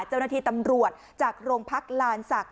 เจ้าหน้าที่ตำรวจจากโรงพักลานศักดิ